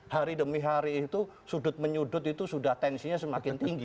hari demi hari itu sudut menyudut itu sudah tensinya semakin tinggi